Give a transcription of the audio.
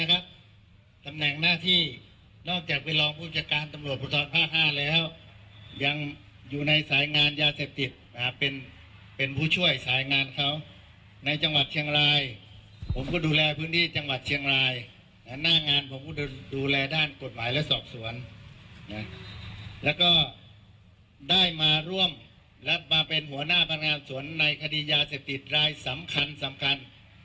ก็ได้มาร่วมและมาเป็นหัวหน้าพนักงานส่วนในคดียาเสพติดรายสำคัญสำคัญ